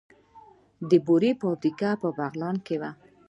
د بورې فابریکه په بغلان کې وه